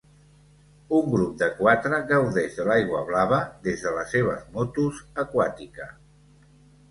Un grup de quatre gaudeix de l'aigua blava des de les seves motos aquàtica.